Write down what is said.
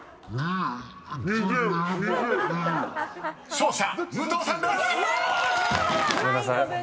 勝者、武藤さんです！